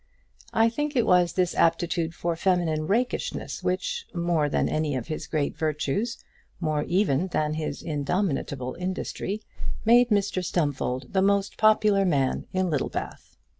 I think it was this aptitude for feminine rakishness which, more than any of his great virtues, more even than his indomitable industry, made Mr Stumfold the most popular man in Littlebath.